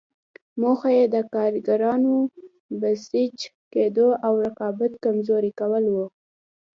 موخه یې د کارګرانو بسیج کېدو او رقابت کمزوري کول وو.